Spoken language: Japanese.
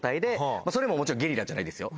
それももちろんゲリラじゃないですよ。